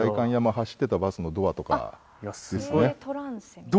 走ってたバスのドアとかですね。